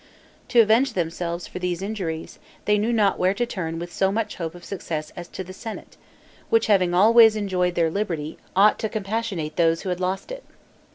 To avenge themselves for these injuries, they knew not where to turn with so much hope of success as to the senate, which, having always enjoyed their liberty, ought to compassionate those who had lost it.